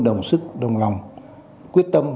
đồng sức đồng lòng quyết tâm